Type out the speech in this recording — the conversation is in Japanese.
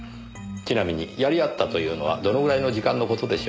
ちなみにやりあったというのはどのぐらいの時間の事でしょう？